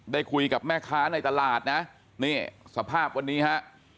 ได้คุยกับแม่ค้าในตลาดนะนี่สภาพวันนี้ฮะ